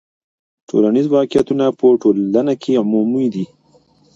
ټولنیز واقعیتونه په ټولنه کې عمومي دي.